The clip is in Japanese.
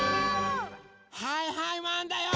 はいはいマンだよ！